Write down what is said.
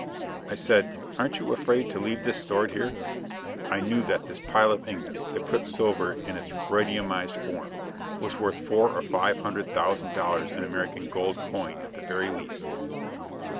I said, "Aren't you afraid to leave this stored here?" I knew that this pile of ingots the quicksilver in its radiumized form was worth four or five hundred thousand dollars in American gold coin at the very least.